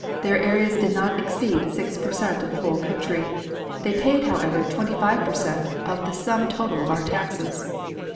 Their area did not exceed six per cent of the whole country. They paid, however, twenty five per cent of the sum total of our taxes.